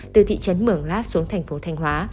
từ thị trấn mưởng lát xuống thành phố thành hóa